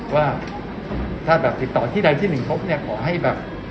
ว่าถ้าแบบติดต่อที่ใดที่หนึ่งพบเนี่ยขอให้แบบ